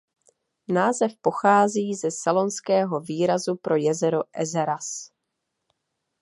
Název pochází ze selonského výrazu pro jezero "ezeras".